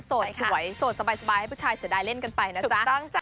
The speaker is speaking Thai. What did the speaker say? สวยโสดสบายให้ผู้ชายเสียดายเล่นกันไปนะจ๊ะ